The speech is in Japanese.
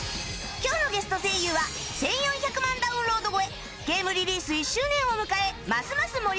今日のゲスト声優は１４００万ダウンロード超えゲームリリース１周年を迎えますます